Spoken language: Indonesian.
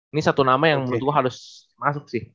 ini satu nama yang menurut gue harus masuk sih